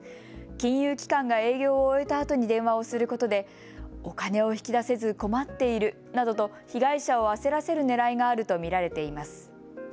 金融機関が営業を終えたあとに電話をすることでお金を引き出せず困っているなどと被害者を焦らせるねらいがあると見られています。